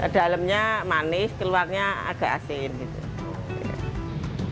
dalamnya manis keluarnya agak asin gitu